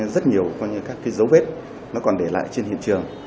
rất nhiều các cái dấu vết nó còn để lại trên hiện trường